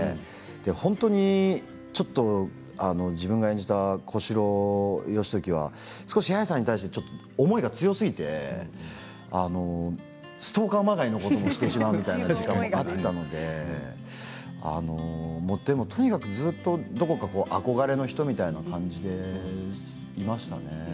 本当に自分が演じた小四郎、義時は少し八重さんに対して思いが強すぎてストーカーまがいのこともしてしまうみたいなこともあったのででもとにかくずっとどこか憧れの人みたいな感じでいましたね。